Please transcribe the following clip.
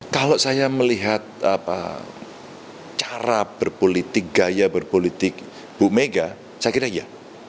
kalau saya melihat cara berpolitik gaya berpolitik bu mega saya kira iya